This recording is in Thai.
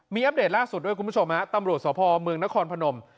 มีอัปเดตล่าสุดด้วยคุณผู้ชมฮะตำรวจสพเมืองนครพนม